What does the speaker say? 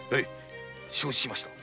承知しました。